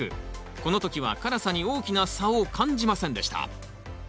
この時は辛さに大きな差を感じませんでした。